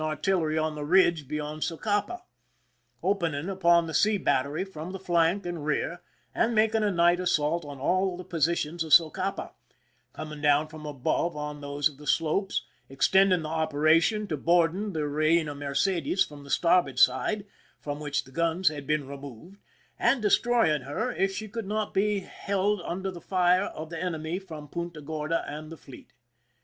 ■'€iiS"^: IMPRISONMENT IN MOERO CASTLE lery on the ridge beyond Socapa, opening upon the sea battery from the flank and rear, and making a night assault on all the positions of Socapa, coming down from above on those of the slopes, extending the operation to boarding the Eeina Mercedes from the starboard side, from which the guns had been removed,, and destroying her if she could not be held under the fire of the enemy from Punta Grorda and the fleet.